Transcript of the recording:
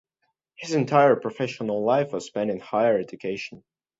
His entire professional life was spent in higher education.